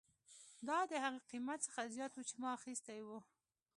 دا د هغه قیمت څخه زیات و چې ما اخیستی و